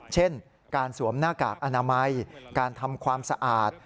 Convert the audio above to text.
เช่นการสวมหน้ากากอนามัยการทำความสะอาด